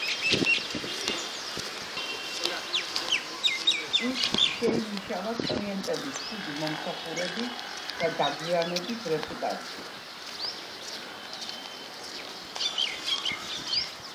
ის შეიმუშავა კლიენტების ცუდი მომსახურების და დაგვიანების რეპუტაცია.